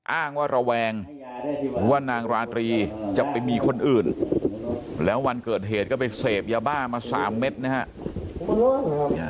อ้างว่าระแวงว่านางราตรีจะไปมีคนอื่นแล้ววันเกิดเหตุก็ไปเสพยาบ้ามา๓เม็ดนะครับ